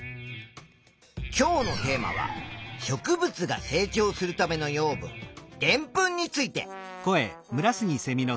今日のテーマは植物が成長するための養分でんぷんについて。